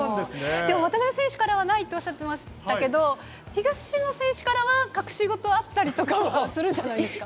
でも、渡辺選手からはないっておっしゃっていましたけど、東野選手からは隠し事はあったりとかするんじゃないですか？